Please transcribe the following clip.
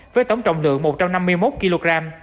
với tổng trọng lượng một trăm năm mươi một kg